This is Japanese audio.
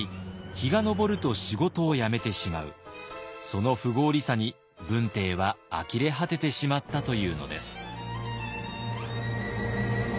その不合理さに文帝はあきれ果ててしまったというのです。